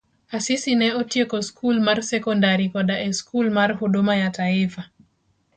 Asisi ne otieko skul mar sekondari koda e skul mar Huduma ya Taifa